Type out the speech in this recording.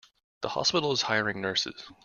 The hospital is hiring nurses.